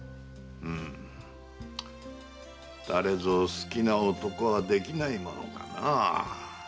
うむ誰ぞ好きな男はできないものかな。